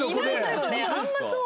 あんまそう。